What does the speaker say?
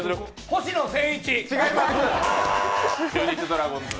星野仙一！